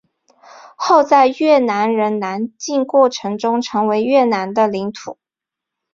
后在越南人南进过程中成为越南的领土。